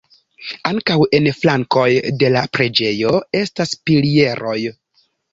Ankaŭ en flankoj de la preĝejo estas pilieroj.